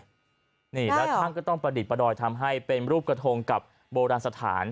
นี่แล้วท่านก็ต้องประดิษฐประดอยทำให้เป็นรูปกระทงกับโบราณสถาน